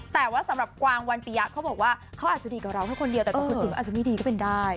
แต่ว่าสำหรับกวางวันปียะเขาบอกว่าเขาอาจจะดีกับเราแค่คนเดียวแต่กับคนอื่นว่าอาจจะไม่ดีก็เป็นได้